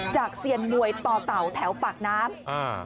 เซียนมวยต่อเต่าแถวปากน้ำ